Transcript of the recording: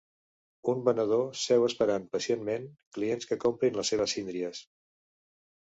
Un venedor seu esperant pacientment clients que comprin les seves síndries.